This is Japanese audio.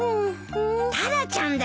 タラちゃんだよ。